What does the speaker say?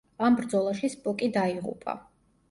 ამ ბრძოლაში სპოკი დაიღუპა.